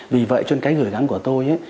vì vậy cho nên cái gửi gắm của tôi